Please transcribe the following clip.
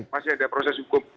masih ada proses hukum